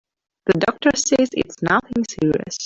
The doctor says it's nothing serious.